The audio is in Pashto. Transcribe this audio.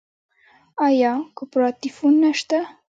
آیا کوپراتیفونه شته؟